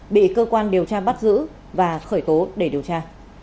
bị cơ quan điều tra bắt giữ và khởi tố để điều tra